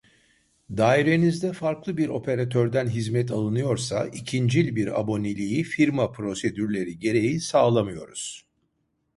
Dairenizde farklı bir operatörden hizmet alınıyorsa ikincil bir aboneliği firma prosedürleri gereği sağlamıyoruz